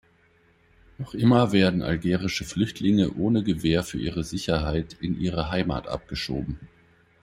Noch immer werden algerische Flüchtlinge ohne Gewähr für ihre Sicherheit in ihre Heimat abgeschoben.